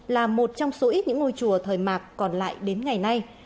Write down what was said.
là một trong số ít những ngôi chùa thời mạc còn lại đến ngày nay